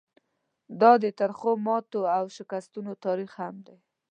دا د ترخو ماتو او شکستونو تاریخ هم دی.